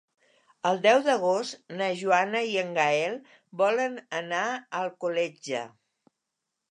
El deu d'agost na Joana i en Gaël volen anar a Alcoletge.